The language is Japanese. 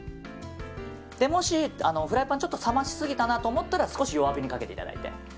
もしフライパンを少し冷ましすぎたなと思ったら少し弱火にかけていただいて。